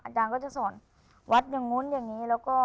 อาจารย์ก็จะสอนวัดอย่างนู้นอย่างนี้แล้วก็